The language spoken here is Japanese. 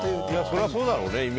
それはそうだろうね。